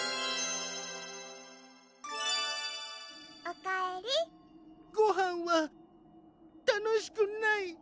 おかえりごはんは楽しくない